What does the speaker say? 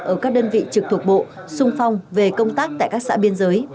ở các đơn vị trực thuộc bộ sung phong về công tác tại các xã biên giới